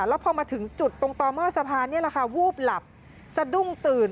แล้วพอมาถึงจุดตรงต่อเมื่อสะพานวูบหลับสะดุ้งตื่น